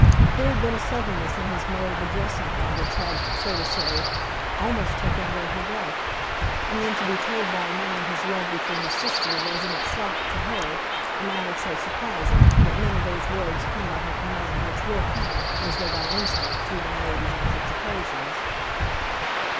There had been a suddenness in his mode of addressing her which had, so to say, almost taken away her breath; and then to be told by a man of his love before his sister was in itself, to her, a matter so surprising, that none of those words came at her command which will come, as though by instinct, to young ladies on such occasions.